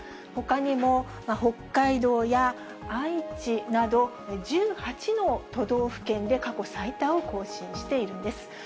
ほかにも、北海道や愛知など、１８の都道府県で過去最多を更新しているんです。